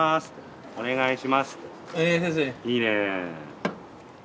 いいね。